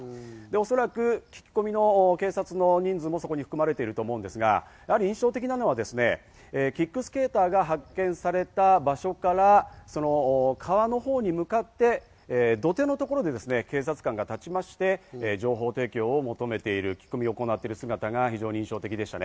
おそらく聞き込みの警察の人数もそこに含まれていると思うんですが、印象的なのはキックスケーターが発見された場所から川のほうに向かって、土手のところで警察官が立ちまして、情報提供を求めている姿が非常に印象的でした。